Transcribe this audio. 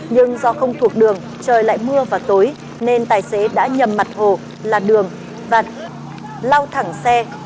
nhưng do không thuộc đường trời lại mưa vào tối nên tài xế đã nhầm mặt hồ làn đường và lao thẳng xe